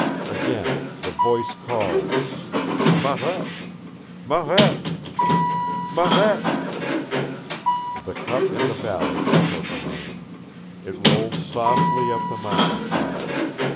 Again the voice called, "Marette Marette Marette " The cup in the valley echoed the name. It rolled softly up the mountainside.